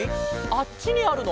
あっちにあるの？